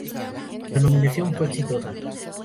La nominación fue exitosa.